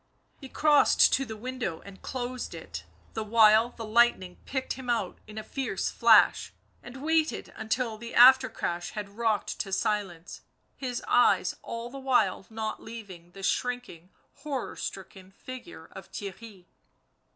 He crossed to the window and closed it, the while the lightning picked him out in a fierce flash, and waited until the after crash had rocked to silence, his eyes all the while not leaving the shrinking, horror stricken figure of Theirry.